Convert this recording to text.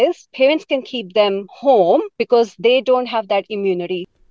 ibu berniat bisa menjadikan mereka rumah karena mereka tidak memiliki imunitas